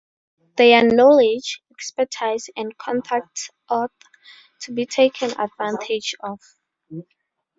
Their knowledge, expertise and contacts ought to be taken advantage of.